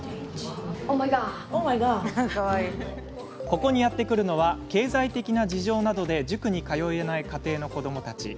ここにやってくるのは経済的な事情などで塾に通えない家庭の子どもたち。